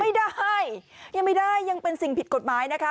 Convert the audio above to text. ยังไม่ได้ยังไม่ได้ยังเป็นสิ่งผิดกฎหมายนะคะ